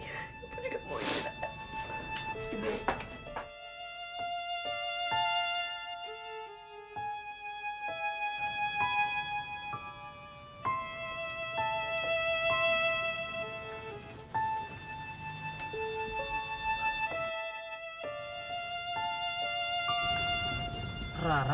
sekarang kamu istirahat ya